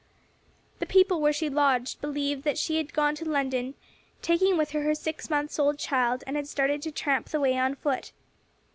The people where she lodged believed that she had gone to London, taking with her her six months old child, and had started to tramp the way on foot.